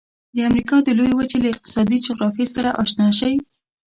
د امریکا د لویې وچې له اقتصادي جغرافیې سره آشنا شئ.